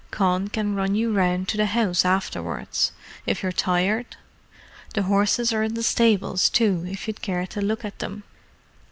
Con can run you round to the house afterwards, if you're tired. The horses are in the stables, too, if you'd care to look at them."